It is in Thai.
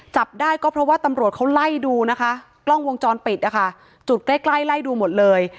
จับได้ก็เพราะว่าตำรวจเขาไล่ดูนะคะกล้องวงจรปิดนะคะจุดใกล้ใกล้ไล่ดูหมดเลย